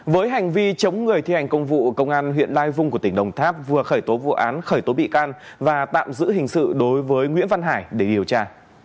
với hành vi chống người thi hành công vụ công an huyện lai vung của tỉnh đồng tháp vừa khởi tố vụ án khởi tố bị can và tạm giữ hình sự đối với nguyễn văn hải để điều tra